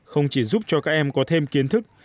không chỉ giúp cho các em có thêm kiến thức